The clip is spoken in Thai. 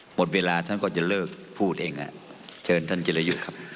หมดเวลาท่านก็จะเลิกพูดเองเชิญท่านจิรยุทธ์ครับ